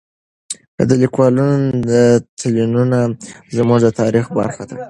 د لیکوالو تلینونه زموږ د تاریخ برخه ده.